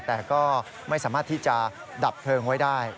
แต่ก็ไม่สามารถที่จะดับเพลิงไว้ได้